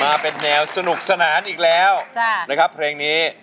มาเป็นแนวสนุกสนานอีกแล้วนะครับเพลงนี้